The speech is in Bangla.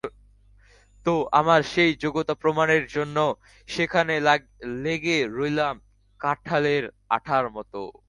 তো, আমার সেই যোগ্যতা প্রমাণের জন্য সেখানে লেগে রইলাম কাঁঠালের আঠার মতো।